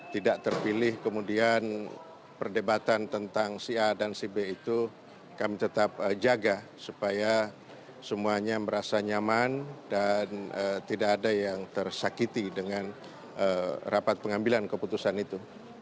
tidak terpilih kemudian perdebatan tentang si a dan si b itu kami tetap jaga supaya semuanya merasa nyaman dan tidak ada yang tersakiti dengan rapat pengambilan keputusan itu